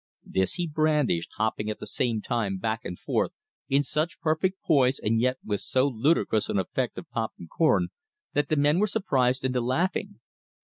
This he brandished, hopping at the same time back and forth in such perfect poise and yet with so ludicrous an effect of popping corn, that the men were surprised into laughing.